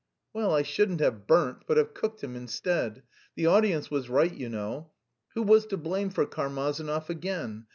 "Well, I shouldn't have burnt, but have cooked him instead. The audience was right, you know. Who was to blame for Karmazinov, again?